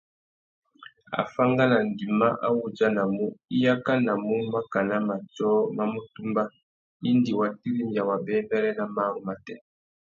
Afánganangüima a wú udjanamú, i yakanamú makana matiō mà mù tumba indi wa tirimiya wabêbêrê nà marru matê.